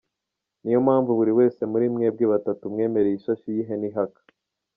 Ni yo mpamvu buri wese muri mwebwe batatu mwemereye ishashi y’ihene ihaka.